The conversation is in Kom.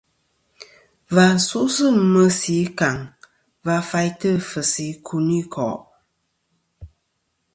Và su meysì ɨkfaŋ va faytɨ kfɨsɨ ikunikò'.